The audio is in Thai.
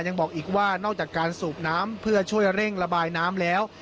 ยังบอกอีกว่านอกจากการสูบน้ำเพื่อช่วยเร่งระบายน้ำแล้ว